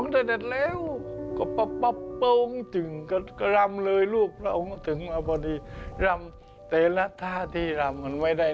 ทำงานก็มาต้องหัศทธิ์